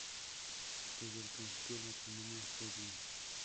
Desde el principio, el matrimonio fue bien.